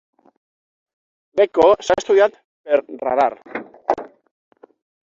L'eco s'ha estudiat per radar.